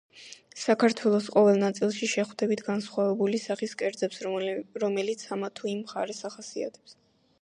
საქართველოს ყოველ ნაწილში შეხვდებით განსხვავებული სახის კერძებს, რომელიც ამა თუ იმ მხარეს ახასიათებს.